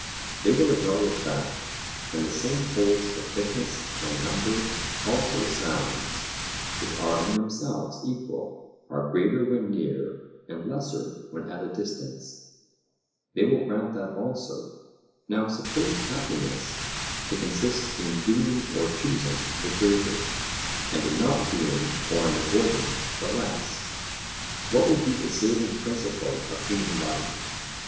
They will acknowledge that. And the same holds of thickness and number; also sounds, which are in themselves equal, are greater when near, and lesser when at a distance. They will grant that also. Now suppose happiness to consist in doing or choosing the greater, and in not doing or in avoiding the less, what would be the saving principle of human life?